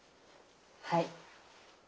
はい。